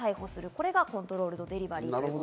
これがコントロールド・デリバリーです。